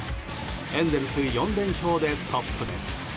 エンゼルス４連勝でストップです。